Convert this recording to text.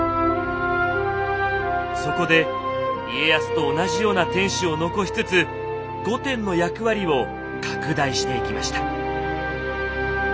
そこで家康と同じような天守を残しつつ御殿の役割を拡大していきました。